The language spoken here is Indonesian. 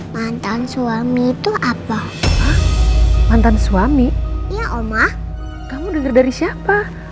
mantan suami itu apa mantan suami ya oma kamu denger dari siapa